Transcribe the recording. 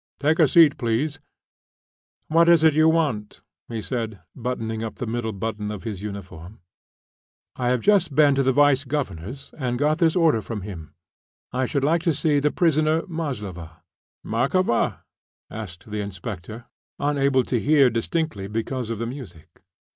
"Take a seat, please. What is it you want?" he said, buttoning up the middle button of his uniform. "I have just been to the vice governor's, and got this order from him. I should like to see the prisoner Maslova." "Markova?" asked the inspector, unable to bear distinctly because of the music.